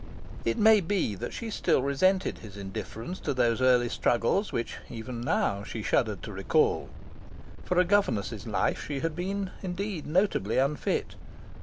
It may be that she still resented his indifference to those early struggles which, even now, she shuddered to recall. For a governess' life she had been, indeed, notably unfit.